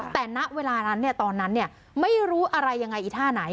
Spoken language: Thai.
แต่ณเวลาตอนนั้นเนี่ยไม่รู้อะไรยังไงอีถ้าไหน